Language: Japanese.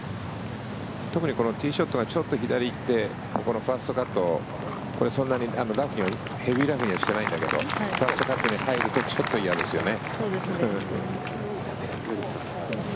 特にこのティーショットが少し左に行ってここのファーストカットこれ、そんなにヘビーラフにはしてないんだけどファーストカットに入るとちょっと嫌ですよね。